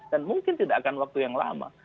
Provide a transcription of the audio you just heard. dan mungkin tidak akan waktu yang lama